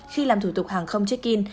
khi làm thủ tục hàng không check in